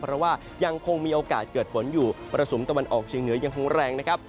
เพราะว่ายังคงมีโอกาสเกิดฝนอยู่มรสุมตะวันออกเชียงเหนือยังคงแรงนะครับ